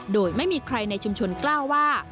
โดยไม่มีใครในชุมชนกล้าว่า